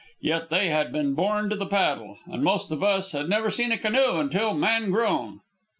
Yet they had been born to the paddle, and most of us had never seen a canoe until man grown."